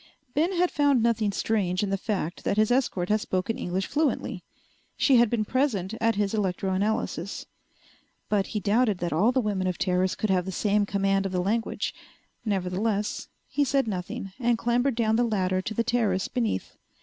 Ben had found nothing strange in the fact that his escort had spoken English fluently. She had been present at his electroanalysis. But he doubted that all the women of Teris could have the same command of the language. Nevertheless he said nothing and clambered down the ladder to the terrace beneath.